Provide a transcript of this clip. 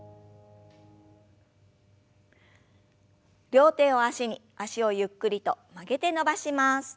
両手を脚に脚をゆっくりと曲げて伸ばします。